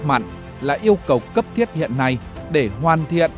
mặn là yêu cầu cấp thiết hiện nay để hoàn thiện